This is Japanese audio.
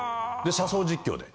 車窓実況で。